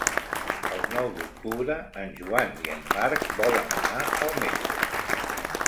El nou d'octubre en Joan i en Marc volen anar al metge.